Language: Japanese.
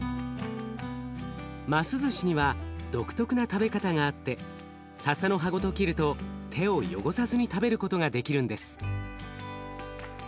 ますずしには独特な食べ方があってささの葉ごと切ると手を汚さずに食べることができるんです。